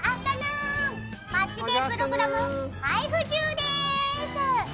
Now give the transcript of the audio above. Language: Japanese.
マッチデープログラム配布中です！